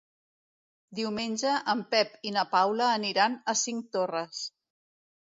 Diumenge en Pep i na Paula aniran a Cinctorres.